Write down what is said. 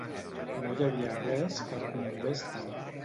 No hi havia res que el commogués tant